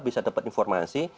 bisa dapat informasi